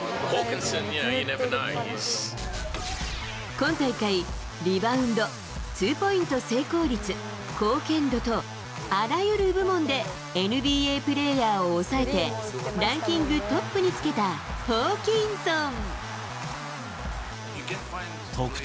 今大会、リバウンド、ツーポイント成功率、貢献度とあらゆる部門でＮＢＡプレーヤーを抑えてランキングトップにつけたホーキンソン。